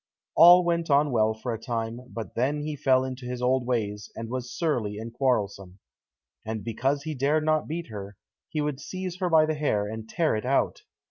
All went on well for a time, but then he fell into his old ways, and was surly and quarrelsome. And because he dared not beat her, he would seize her by the hair and tear it out.